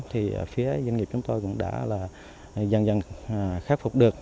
thì phía doanh nghiệp chúng tôi cũng đã là dần dần khắc phục được